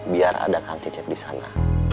biar ada kang cecep disana